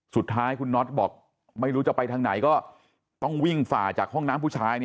สุดท้ายคุณน็อตบอกไม่รู้จะไปทางไหนก็ต้องวิ่งฝ่าจากห้องน้ำผู้ชาย